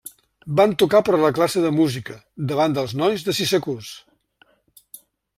Van tocar per a la classe de música, davant dels nois de sisè curs.